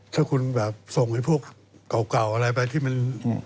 ถ้าคุณแบบส่งไอ้พวกเก่าอะไรไปที่มัน